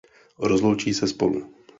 Rozloučí se spolu.